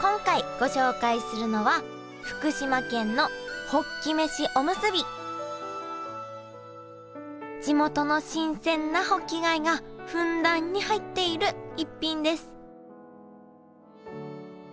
今回ご紹介するのは地元の新鮮なホッキ貝がふんだんに入っている逸品です